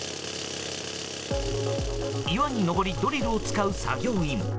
岩に上り、ドリルを使う作業員。